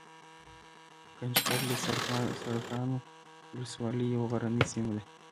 ګنجګل دسرکاڼو ولسوالۍ يو غرنۍ سيمه ده